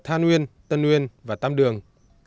than uyên tân uyên và tam đường